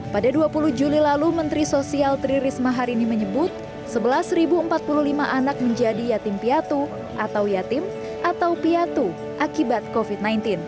pada dua puluh juli lalu menteri sosial tri risma hari ini menyebut sebelas empat puluh lima anak menjadi yatim piatu atau yatim atau piatu akibat covid sembilan belas